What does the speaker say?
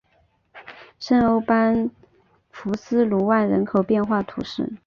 圣欧班福斯卢万人口变化图示